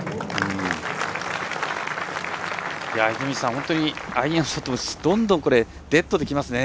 本当にアイアンショットどんどんデッドできますね。